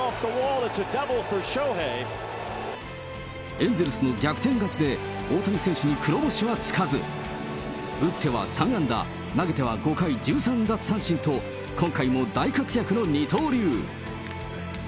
エンゼルスの逆転勝ちで、大谷選手に黒星はつかず、打っては３安打、投げては５回１３奪三振と、今回も大活躍の二刀流。